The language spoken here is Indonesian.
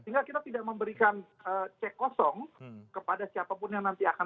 sehingga kita tidak memberikan cek kosong kepada siapapun yang nanti akan